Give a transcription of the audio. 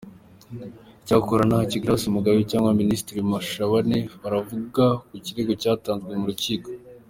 Icyakora ntacyo Grace Mugabe cyangwa Minisitiri Mashabane baravuga ku kirego cyatanzwe mu rukiko.